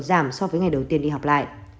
giảm so với ngày đầu tiên đi học lại